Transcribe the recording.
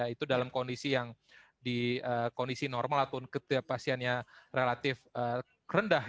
itu dalam kondisi yang di kondisi normal ataupun ke pasiennya relatif rendah